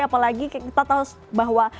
apalagi kita tahu bahwa